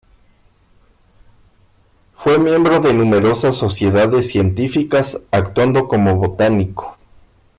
Fue miembro de numerosas sociedades científicas, actuando como botánico.